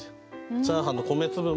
チャーハンの米粒も。